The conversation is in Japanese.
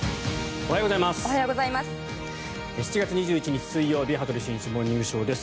おはようございます。